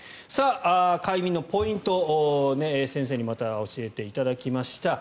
快眠のポイント、先生にまた教えていただきました。